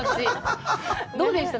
どうでした？